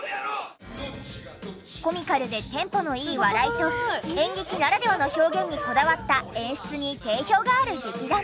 コミカルでテンポのいい笑いと演劇ならではの表現にこだわった演出に定評がある劇団。